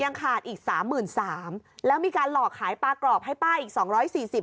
ยังขาดอีกสามหมื่นสามแล้วมีการหลอกขายปลากรอบให้ป้าอีกสองร้อยสี่สิบ